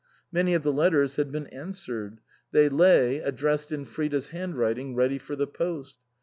Many of the letters had been answered ; they lay, addressed in Frida's hand writing, ready for the post.